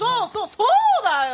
そうだよ！